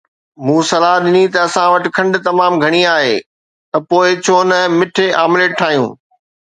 مون صلاح ڏني ته اسان وٽ کنڊ تمام گهڻي آهي ته پوءِ ڇو نه مٺي آمليٽ ٺاهيون